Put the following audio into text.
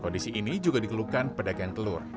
kondisi ini juga dikeluhkan pedagang telur